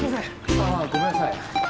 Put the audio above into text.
ああごめんなさい。